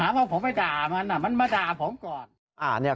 หาเขาไปด่ามันมันมาด่าผมก่อน